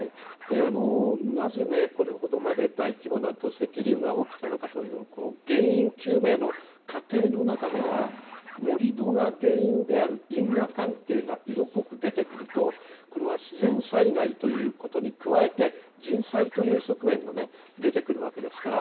なぜ、これほどまでに大規模な土石流が起きたのかというと原因究明の過程の中では盛り土が原因である因果関係が色濃く出てくるとこれは自然災害ということに加えて人災という側面が出てくるわけですから。